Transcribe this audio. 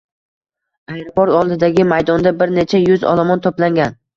Aeroport oldidagi maydonda bir necha yuz olomon to‘plangan